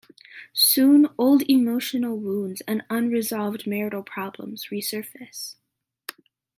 Soon old emotional wounds and unresolved marital problems resurface.